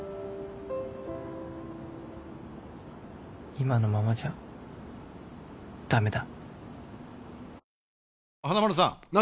今のままじゃダメだ